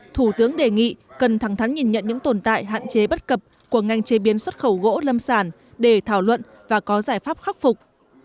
thủ tướng đề nghị cần thẳng thắn nhìn nhận những tồn tại hạn chế bất cập của ngành chế biến xuất khẩu gỗ lâm sản để thảo luận và có giải pháp khắc phục